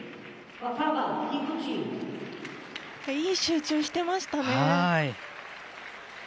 いい集中をしていましたね。